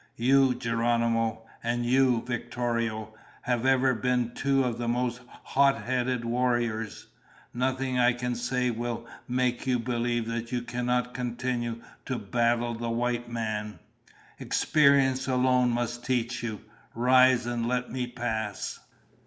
"You, Geronimo, and you, Victorio, have ever been two of the most hot headed warriors. Nothing I can say will make you believe that you cannot continue to battle the white man. Experience alone must teach you. Rise and let me pass."